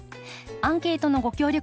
アンケートのご協力